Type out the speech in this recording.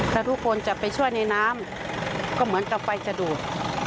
ถ้าทุกคนจะไปช่วยในน้ำก็เหมือนกับไฟจะดูด